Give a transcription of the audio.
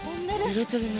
ゆれてるね。